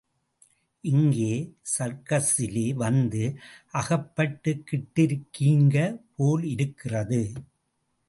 இங்கே சர்க்கஸிலே வந்து அகப்பட்டுக்கிட்டிருக்கீங்க போலிருக்கிறது.